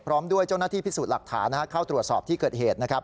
พร้อมด้วยเจ้าหน้าที่พิสูจน์หลักฐานเข้าตรวจสอบที่เกิดเหตุนะครับ